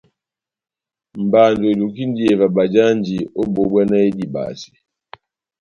Mbando elukindi iyeva bajanji ó bohó bbwá náh edibase.